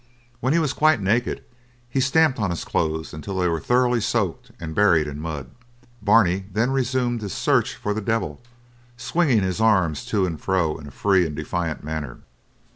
When he was quite naked, he stamped on his clothes until they were thoroughly soaked and buried in mud. Barney then resumed his search for the devil, swinging his arms to and fro in a free and defiant manner.